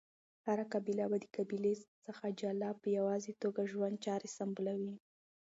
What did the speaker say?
هره قبیله به د قبیلی څخه جلا په یواځی توګه ژوند چاری سمبالولی